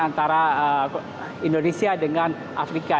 antara indonesia dengan afrika